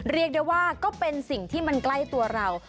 เรียกได้ว่าก็เป็นสิ่งที่มันใกล้ตัวเรา